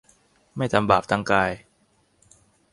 ไม่ทำบาปทั้งกาย